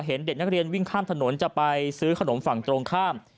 เห็นเด็กนักเรียนวิ่งข้ามถนนจะไปซื้อขนมฝั่งตรงข้าม